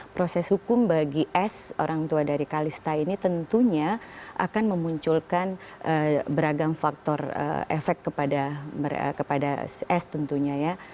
proses hukum bagi s orang tua dari kalista ini tentunya akan memunculkan beragam faktor efek kepada s tentunya ya